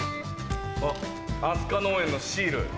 あっ阿須加農園のシール！